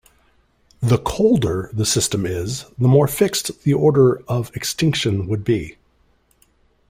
The 'colder' the system is, the more fixed the order of extinction would be.